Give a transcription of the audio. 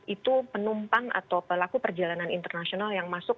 itu penumpang atau pelaku perjalanan internasional yang masuk